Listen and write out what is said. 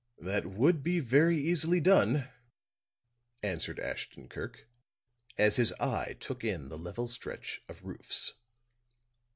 "That would he very easily done," answered Ashton Kirk, as his eye took in the level stretch of roofs.